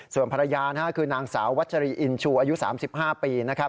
ส่วนภรรยาคือนางสาววัชรีอินชูอายุ๓๕ปีนะครับ